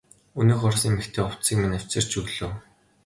Өнөөх орос эмэгтэй хувцсыг минь авчирч өглөө.